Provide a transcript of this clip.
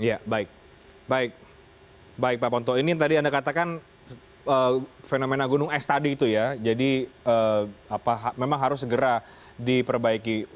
ya baik baik pak ponto ini yang tadi anda katakan fenomena gunung es tadi itu ya jadi memang harus segera diperbaiki